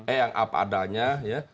eh yang apa adanya ya